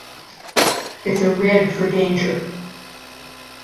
It’s a red for danger.